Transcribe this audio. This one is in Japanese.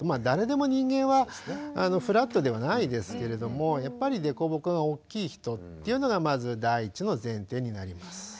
誰でも人間はフラットではないですけれどもやっぱり凸凹が大きい人というのがまず第一の前提になります。